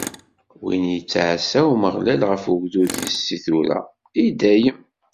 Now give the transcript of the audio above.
Win i yettɛassa Umeɣlal ɣef ugdud-is, si tura, i dayem.